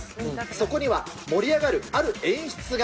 そこには、盛り上がるある演出が。